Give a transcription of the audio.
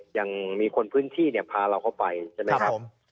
อย่างมีคนพื้นที่เนี่ยพาเราเข้าไปใช่ไหมครับ